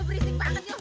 berisik banget yuk